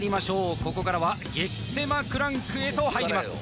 ここからは激セマクランクへと入ります